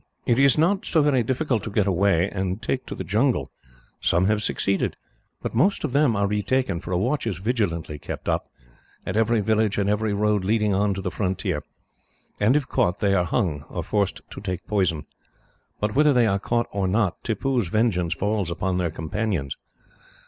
It is not so very difficult to get away, and take to the jungle. Some have succeeded, but most of them are retaken, for a watch is vigilantly kept up, at every village and every road leading on to the frontier; and if caught, they are hung or forced to take poison. But whether they are caught or not, Tippoo's vengeance falls upon their companions.